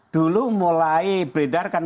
dulu mulai beredarkan